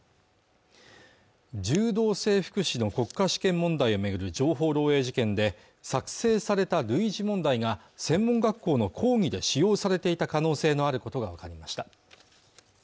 柔道整復師の国家試験問題を巡る情報漏洩事件で作成された類似問題が専門学校の講義で使用されていた可能性のあることが分かりました